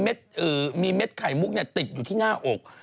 มีเม็ดไข่มุกติดอยู่ที่หน้าอก